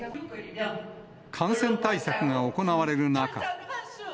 感染対策が行われる中。